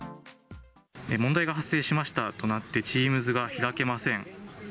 問題が発生しましたとなってＴｅａｍｓが開けません。